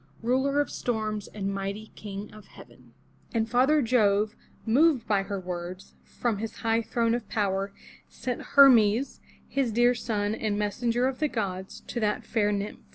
Ruler of Storms, and mighty King of Heaven. And father Jove, moved by her words, from his high throne of power, sent Her'mes, his dear son, and messenger of the gods, to that fair nymph.